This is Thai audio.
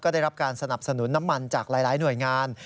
ได้รับการสนับสนุนน้ำมันจากหลายหน่วยงาน